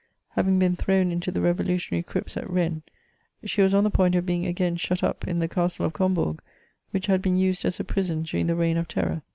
Haying been thrown into the revolutionary crypts at Rennes, she was on the point of being again shut up in the Castle of Combourg, which had been used as a prison during the reign of terror.